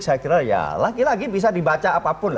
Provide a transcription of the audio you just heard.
saya kira ya lagi lagi bisa dibaca apapun lah